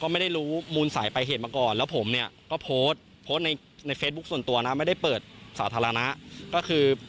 ไม่รู้ต้นสายประเหตุมาก่อนอะไรอย่างนี้นะครับ